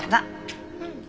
うん。